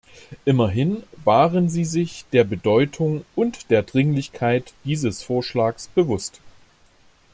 Immerhin waren sie sich der Bedeutung und der Dringlichkeit dieses Vorschlags bewusst.